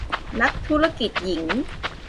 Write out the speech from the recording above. นักธุรกิจหญิง